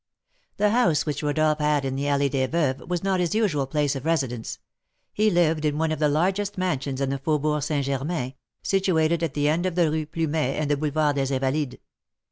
The house which Rodolph had in the Allée des Veuves was not his usual place of residence; he lived in one of the largest mansions in the Faubourg St. Germain, situated at the end of the Rue Plumet and the Boulevard des Invalides.